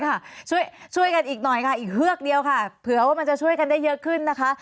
ช่วยกันอีกหน่อยค่ะอีกเฮือกเดียวค่ะเผื่อว่ามันจะช่วยกันได้เยอะขึ้นนะคะ